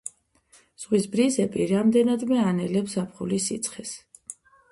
ზღვის ბრიზები რამდენადმე ანელებს ზაფხულის სიცხეს.